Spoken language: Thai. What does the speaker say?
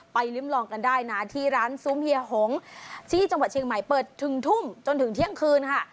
ลิ้มลองกันได้นะที่ร้านซุ้มเฮียหงที่จังหวัดเชียงใหม่เปิดถึงทุ่มจนถึงเที่ยงคืนค่ะ